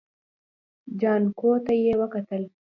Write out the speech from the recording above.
جانکو ته يې وکتل.